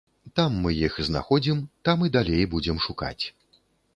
Там мы іх знаходзім, там і далей будзем шукаць.